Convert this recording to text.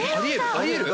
あり得る？